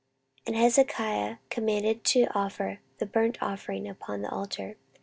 14:029:027 And Hezekiah commanded to offer the burnt offering upon the altar.